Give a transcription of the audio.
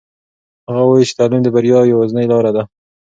هغه وایي چې تعلیم د بریا یوازینۍ لاره ده.